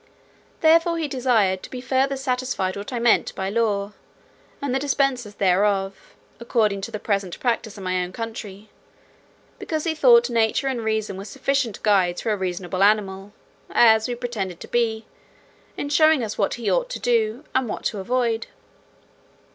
Therefore he desired to be further satisfied what I meant by law, and the dispensers thereof, according to the present practice in my own country; because he thought nature and reason were sufficient guides for a reasonable animal, as we pretended to be, in showing us what we ought to do, and what to avoid."